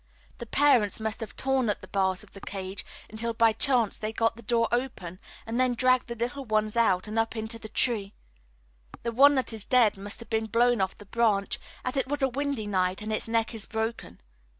The parents must have torn at the bars of the cage until by chance they got the door open, and then dragged the little ones out and up into the tree. The one that is dead must have been blown off the branch, as it was a windy night and its neck is broken.